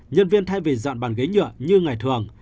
nhân viên thay vì dọn bàn ghế nhựa như ngày thường